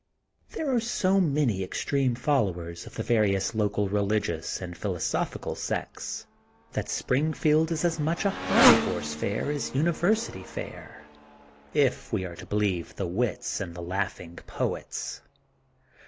There are so many extreme followers of the various local religious and philosophi cal sects that Springfield is as much a Hobby Horse Fair as University Fair, if we are to believe the wits and the laughing poets.